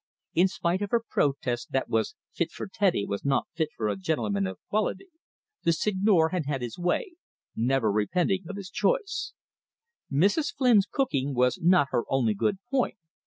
In spite of her protest that what was "fit for Teddy was not fit for a gintleman of quality," the Seigneur had had his way, never repenting of his choice. Mrs. Flynn's cooking was not her only good point.